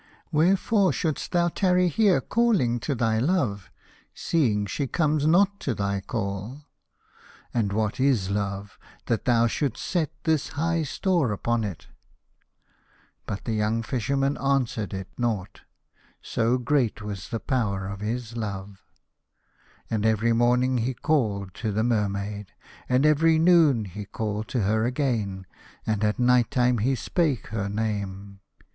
Wherefore should'st thou tarry here calling to thy love, seeing she comes not to thy call ? And what is love, that thou should'st set this high store upon it ?" But the young Fisherman answered it 120 The Fisherman and his Soul. nought, so great was the power of his love. And every morning he called to the Mermaid, and every noon he called to her again, and at night time he spake her name.